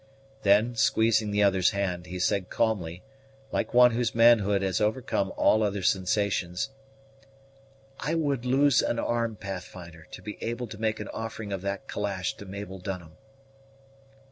Then, squeezing the other's hand, he said calmly, like one whose manhood has overcome all other sensations, "I would lose an arm, Pathfinder, to be able to make an offering of that calash to Mabel Dunham."